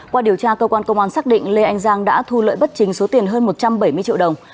qua điều tra cơ quan công an xác định lê anh giang đã thu lợi bất chính số tiền hơn một trăm bảy mươi triệu đồng